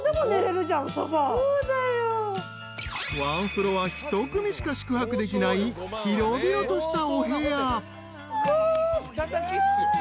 ［１フロア１組しか宿泊できない広々としたお部屋］